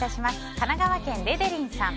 神奈川県の方。